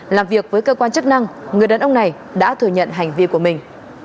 làm việc với cơ quan chức năng người đàn ông này đã thừa nhận hành vi của mình